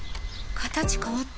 形変わった。